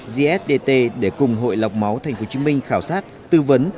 gsdt để cùng hội lọc máu tp hcm khảo sát tư vấn